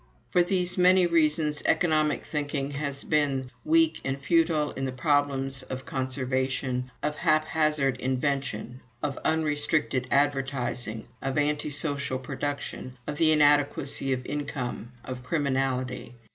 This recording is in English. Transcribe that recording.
"For these many reasons economic thinking has been weak and futile in the problems of conservation, of haphazard invention, of unrestricted advertising, of anti social production, of the inadequacy of income, of criminality.